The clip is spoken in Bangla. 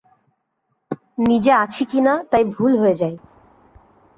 নিজে আছি কি না তাই ভুল হয়ে যায়।